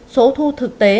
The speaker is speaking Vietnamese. số thu thực tế